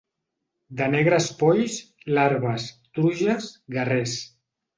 De negres polls, larves, truges, guerrers.